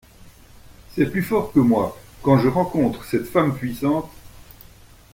C’est plus fort que moi, quand je rencontre cette femme puissante…